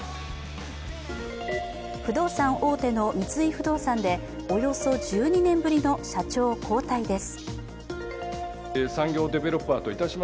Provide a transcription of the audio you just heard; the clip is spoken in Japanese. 不動産大手の三井不動産でおよそ１２年ぶりの社長交代です。